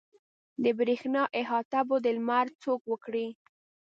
د برېښنا احاطه به د لمر څوک وکړي.